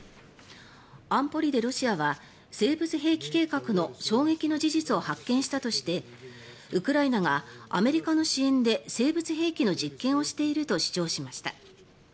安保理でロシアは生物兵器計画の衝撃の事実を発見したとしてウクライナがアメリカの支援で生物兵器の実験をしていると主張しました。